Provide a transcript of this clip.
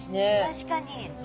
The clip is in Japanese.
確かに。